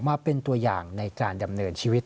มาเป็นตัวอย่างในการดำเนินชีวิต